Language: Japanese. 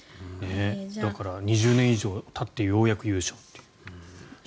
だから、２０年以上たってようやく優勝。